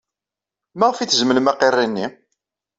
Maɣef ay tzemlem aqirri-nni?